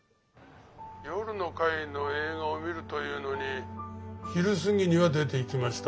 夜の回の映画を見るというのに昼過ぎには出ていきました。